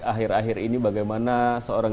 akhir akhir ini bagaimana seorang